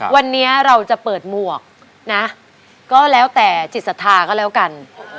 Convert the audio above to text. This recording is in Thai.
วันนี้เราจะเปิดหมวกนะก็แล้วแต่จิตศรัทธาก็แล้วกัน